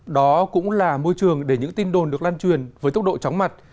đó cũng là môi trường để những tin đồn được lan truyền với tốc độ chóng mặt